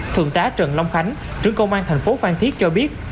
thượng tá trần long khánh trưởng công an thành phố phan thiết cho biết